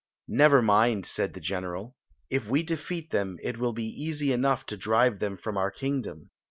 "Never mind," said the general; "if we defeat them it will be easy enough to ikive them from our kingdom."